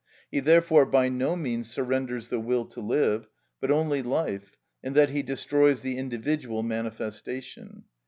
He therefore by no means surrenders the will to live, but only life, in that he destroys the individual manifestation.